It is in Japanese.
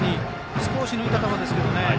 少し抜いた球ですけど。